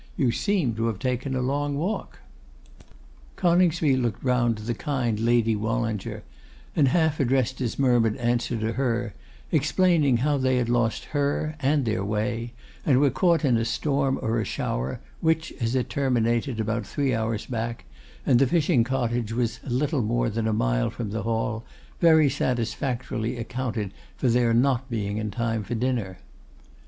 'You seem to have taken a long walk.' Coningsby looked round to the kind Lady Wallinger, and half addressed his murmured answer to her, explaining how they had lost her, and their way, and were caught in a storm or a shower, which, as it terminated about three hours back, and the fishing cottage was little more than a mile from the Hall, very satisfactorily accounted for their not being in time for dinner.